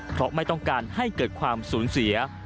เพราะไม่ต้องการให้เกิดความสูญเสีย